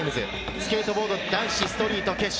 スケートボード男子ストリート決勝。